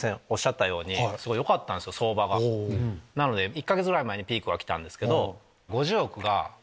１か月ぐらい前にピークはきたんですけど。